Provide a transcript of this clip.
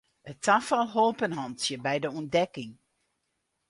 It tafal holp in hantsje by de ûntdekking.